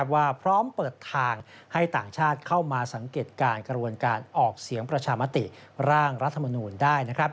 ว่าพร้อมเปิดทางให้ต่างชาติเข้ามาสังเกตการณ์กระบวนการออกเสียงประชามติร่างรัฐมนูลได้